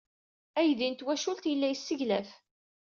Aydi n twacult yella yesseglaf.